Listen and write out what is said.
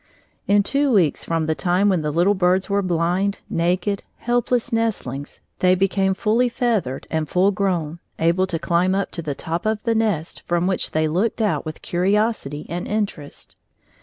In two weeks from the time when the little birds were blind, naked, helpless nestlings they became fully feathered and full grown, able to climb up to the top of the nest, from which they looked out with curiosity and interest.